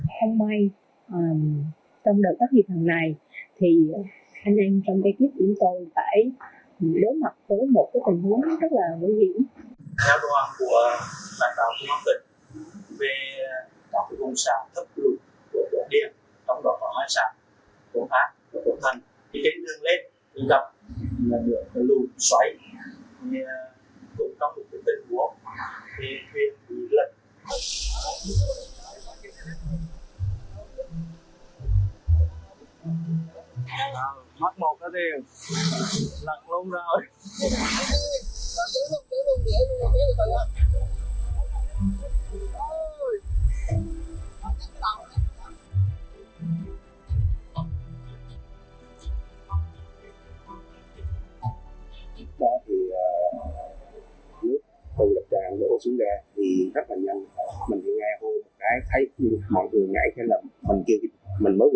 không may trong đợt tác nghiệp hằng này anh em trong ekip của chúng tôi phải đối mặt